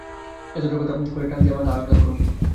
একটা কথা কইলে টান দিয়া মাথা আলগা করুম।